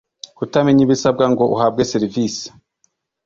Kutamenya ibisabwa ngo uhabwe serivisi